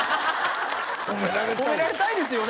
褒められたいですよね